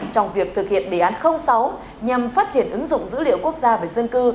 trong đó thì cơ sở dữ liệu quốc gia về dân cư